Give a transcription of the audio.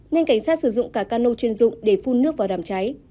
nên cảnh sát sử dụng cả cano chuyên dụng để phun nước vào đám cháy